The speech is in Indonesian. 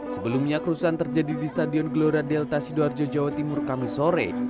sebelumnya kerusuhan terjadi di stadion gelora delta sidoarjo jawa timur kamisore